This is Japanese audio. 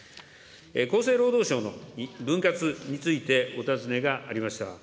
厚生労働省の分轄についてお尋ねがありました。